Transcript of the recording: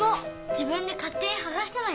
自分でかってにはがしたのよ。